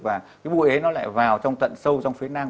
và cái bụi ấy nó lại vào trong tận sâu trong phế nang